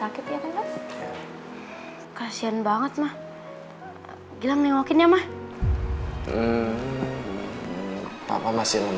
sampai mas sembuh